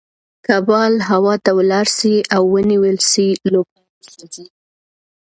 که بال هوا ته ولاړ سي او ونيول سي؛ لوبغاړی سوځي.